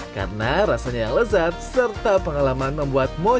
karena rasanya yang lezat serta pengalaman membuat mochis